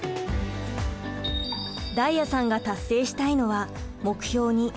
太哉さんが達成したいのは目標